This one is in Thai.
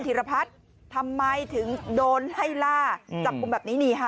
ธิรพัฒน์ทำไมถึงโดนไล่ล่าจับกลุ่มแบบนี้นี่ค่ะ